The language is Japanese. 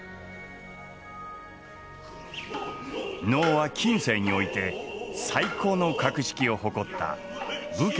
能は近世において最高の格式を誇った「武家の式楽」。